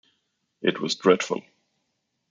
It was dreadful.